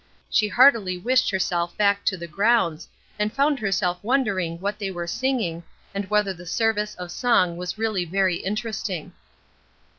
She heartily wished herself back to the grounds, and found herself wondering what they were singing, and whether the service of song was really very interesting.